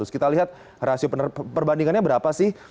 kita lihat rasio perbandingannya berapa sih